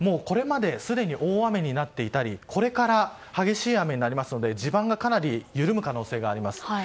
これまですでに大雨になっていたりこれから激しい雨になりますので地盤がかなり緩む可能性があります。